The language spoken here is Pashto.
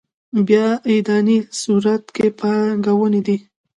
بیا اداينې صورت کې پانګونه دي.